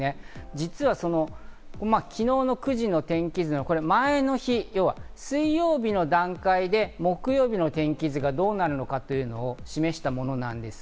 実は昨日の９時の天気図、前の日、水曜日の段階で木曜日の天気図がどうなるのかというのを示したものです。